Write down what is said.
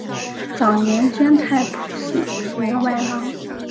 早年捐太仆寺员外郎。